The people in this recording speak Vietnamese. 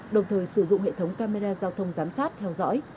đồng thời sử dụng hệ thống camera giao thông giám sát theo dõi